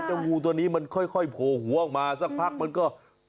งูตัวนี้มันค่อยโผล่หัวออกมาสักพักมันก็